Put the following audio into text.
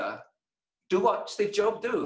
lakukan apa yang steve jobs lakukan